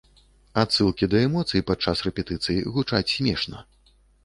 Адсылкі да эмоцый падчас рэпетыцый гучаць смешна.